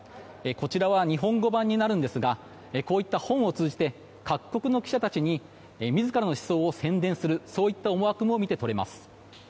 こちらは日本語版になるんですがこういった本を通じて各国の記者たちに自らの思想を宣伝するそういった思惑も見て取れます。